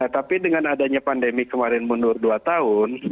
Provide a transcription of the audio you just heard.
tapi dengan adanya pandemi kemarin mundur dua tahun